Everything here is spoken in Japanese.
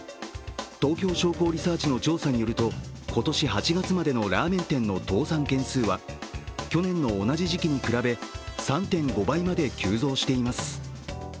東京商工リサーチの調査によると今年８月までのラーメン店の倒産件数は去年の同じ時期に比べ３．５倍まで急増しています。